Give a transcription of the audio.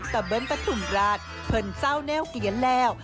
แต่เบิ้ลไปถุ่มราชเพิ่นเศร้าแน่วเกียรติแล้ว